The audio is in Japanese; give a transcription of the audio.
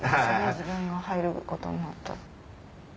自分が入ることになったら。